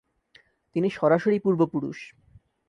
তিনি সরাসরি পূর্বপুরুষ।